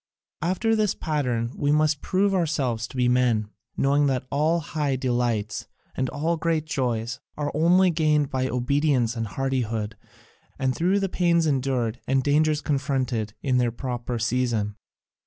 After this pattern must we prove ourselves to be men, knowing that all high delights and all great joys are only gained by obedience and hardihood, and through pains endured and dangers confronted in their proper season."